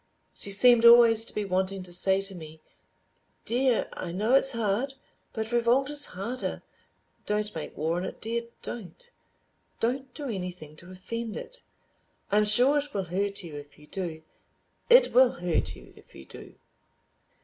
She seemed always to be wanting to say to me, "Dear, I know it's hard—but revolt is harder. Don't make war on it, dear—don't! Don't do anything to offend it. I'm sure it will hurt you if you do—it will hurt you if you do."